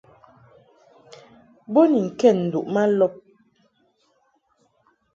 Bo ni ŋkɛd nduʼ ma lɔb.